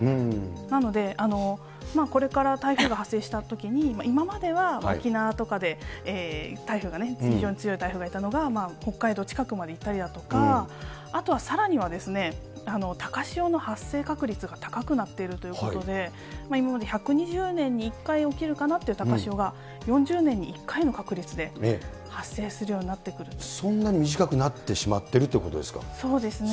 なので、これから台風が発生したときに、今までは沖縄とかで台風が、非常に強い台風が北海道近くまで行ったりだとか、あとはさらにはですね、高潮の発生確率が高くなっているということで、今まで１２０年に１回起きるかなっていう高潮が、４０年に１回の確率でそんなに短くなってしまってそうですね。